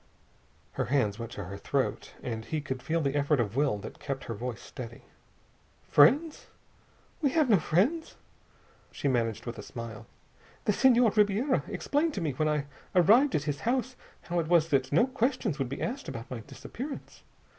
Her hands went to her throat, and he could feel the effort of will that kept her voice steady. "Friends? We have no friends." She managed a smile. "The Senhor Ribiera explained to me when I arrived at his house how it was that no questions would be asked about my disappearance.